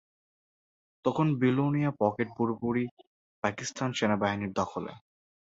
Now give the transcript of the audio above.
তখন বিলোনিয়া পকেট পুরোপুরি পাকিস্তান সেনাবাহিনীর দখলে।